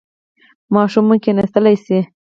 ماشوم مو کیناستلی شي؟